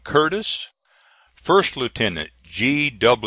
Curtis, First Lieutenant G.